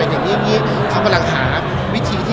ลองยังไม่ทำจะเปลี่ยน